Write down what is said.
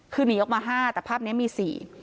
คือหนีออกมาห้าแต่ภาพนี้มี๔